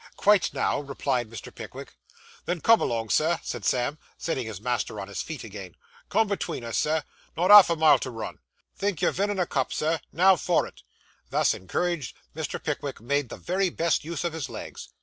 Quite, now,' replied Mr. Pickwick. 'Then come along, Sir,' said Sam, setting his master on his feet again. 'Come betveen us, sir. Not half a mile to run. Think you're vinnin' a cup, sir. Now for it.' Thus encouraged, Mr. Pickwick made the very best use of his legs.